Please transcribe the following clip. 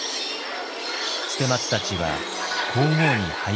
捨松たちは皇后に拝謁。